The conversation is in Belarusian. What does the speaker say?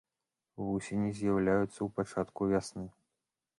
Вусені з'яўляюцца ў пачатку вясны.